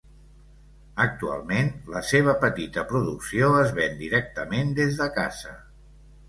Actualment, la seva petita producció es ven directament des de casa.